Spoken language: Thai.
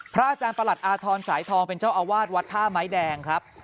อาจารย์ประหลัดอาทรสายทองเป็นเจ้าอาวาสวัดท่าไม้แดงครับ